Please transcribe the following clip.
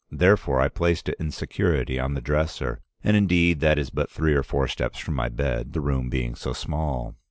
Therefore I placed it in security on the dresser, and, indeed, that is but three or four steps from my bed, the room being so small.